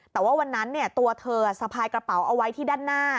แต่ว่าวันนั้นตัวเธอสะพายกระเป๋าเอาไว้ที่ด้านหน้า